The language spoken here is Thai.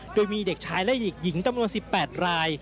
โดยมีเด็กชายและหญิงจำนวน๑๘ราย